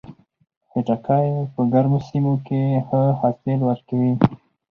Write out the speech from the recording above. خټکی په ګرمو سیمو کې ښه حاصل ورکوي.